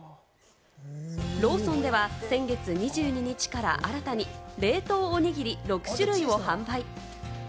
ローソンでは先月２２日から新たに冷凍おにぎり６種類を販売。